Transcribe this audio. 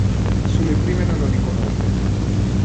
Sulle prime non lo riconobbe.